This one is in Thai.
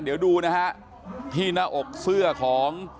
หนิดูที่หน้าอกเสื้อของ